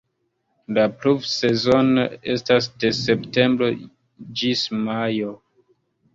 La pluvsezono estas de septembro ĝis majo.